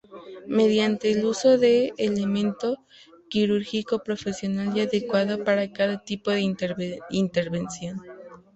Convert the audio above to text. Mediante el uso de elemento quirúrgico profesional y adecuado para cada tipo de intervención.